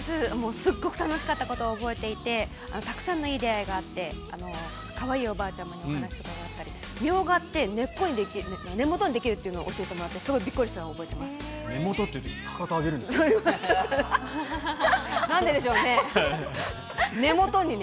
すっごく楽しかったことを覚えていて、たくさんのいい出会いがあって、かわいいおばあちゃまのお話伺ったり、ミョウガって、根っこに出来るんですよ、根元にできるっていうのを教えてもらってすごいびっくりしたのを根元って、なんででしょうね。